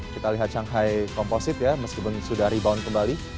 kita lihat shanghai komposite ya meskipun sudah rebound kembali